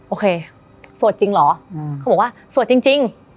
โอเคสวดจริงเหรอเขาบอกว่าสวดจริง